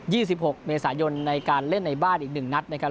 ี่สิบหกเมษายนในการเล่นในบ้านอีกหนึ่งนัดนะครับ